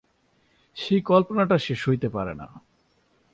সেই কল্পনাটা সে সইতে পারে না।